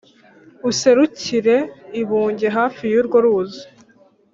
userukire i bunge hafi y’urwo ruzi